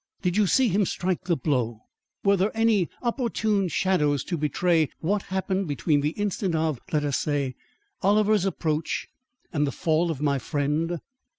"Did you see him strike the blow? Were there any opportune shadows to betray what happened between the instant of let us say Oliver's approach and the fall of my friend?